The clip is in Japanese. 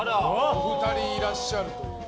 お二人いらっしゃるという。